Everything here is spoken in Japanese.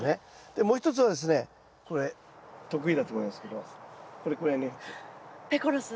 でもう一つはですねこれ得意だと思いますけどこれくらいのやつ。